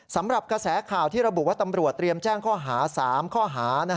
สำหรับกระแสข่าวที่ระบุว่าตำรวจเตรียมแจ้งข้อหา๓ข้อหา